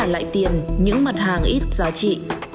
và sẽ trả lại tiền những mặt hàng ít giá trị